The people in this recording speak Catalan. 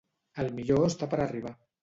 El millor està per arribar.